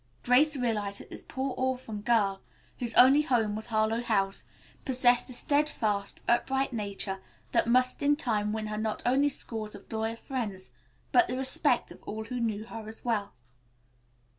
Grace realized that this poor orphan girl, whose only home was Harlowe House, possessed a steadfast, upright nature that must in time win her not only scores of loyal friends, but the respect of all who knew her, as well.